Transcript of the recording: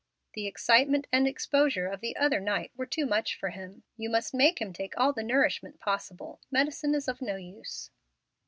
The excitement and exposure of the other night were too much for him. You must make him take all the nourishment possible. Medicine is of no use."